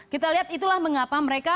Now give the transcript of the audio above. kita lihat itulah mengapa mereka